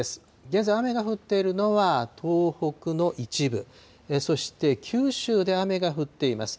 現在、雨が降っているのは東北の一部、そして九州で雨が降っています。